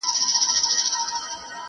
نور دي په لستوڼي کي په مار اعتبار مه کوه!!